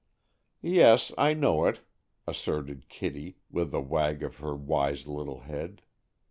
"Yes, I know it," asserted Kitty, with a wag of her wise little head.